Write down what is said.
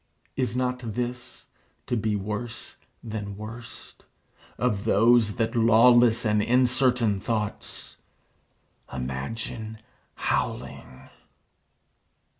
Is not this to be worse than worst Of those that lawless and incertain thoughts Imagine howling?